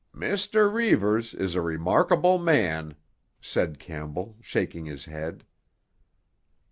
"Mr. Reivers is a remarkable man," said Campbell, shaking his head.